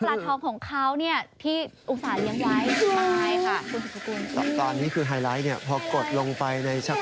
ป้าทองตัวนี้ที่เจ้านูน้อยเขาเลี่ยงไว้นี่นะคะ